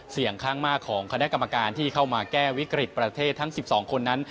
เสียงข้างมากของคณะกรรมการที่เข้ามาแก้วิกฤตประเทศทั้ง๑๒คนนั้น